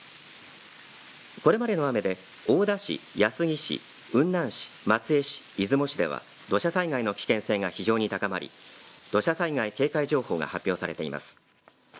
これまでの雨で大田市、安来市、雲南市、松江市、出雲市では土砂災害の危険性が非常に高まり土砂災害警戒情報が発表されています。